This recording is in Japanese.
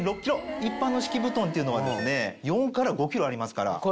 一般の敷布団は４から５ｋｇありますから。